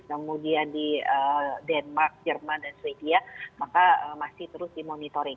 kemudian di denmark jerman dan sweden maka masih terus dimonitoring